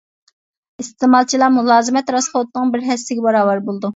ئىستېمالچىلار مۇلازىمەت راسخوتىنىڭ بىر ھەسسىسىگە باراۋەر بولىدۇ.